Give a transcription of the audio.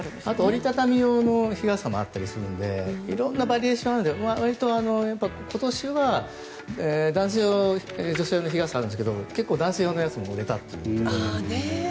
折り畳み用の日傘もあったりいろんなバリエーションがあるので割と、今年は男性用と女性用の日傘があるんですが結構男性用のやつも売れたんですって。